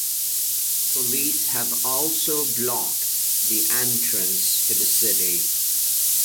Police have also blocked the entrance to the city.